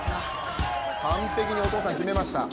完璧にお父さん、決めました。